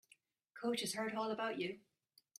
Coach has heard all about you.